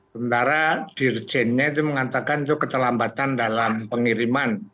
sementara dirjennya itu mengatakan itu ketelambatan dalam pengiriman